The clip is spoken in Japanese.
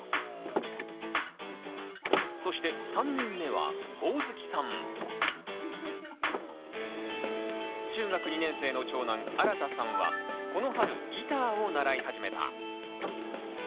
そして３人目は中学２年生の長男あらたさんはこの春ギターを習い始めた。